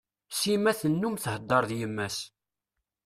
Sima tennum thedder d yemma-s.